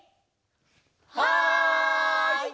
はい！